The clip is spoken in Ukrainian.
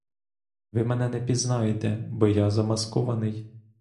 Ви мене не пізнаєте, бо я замаскований.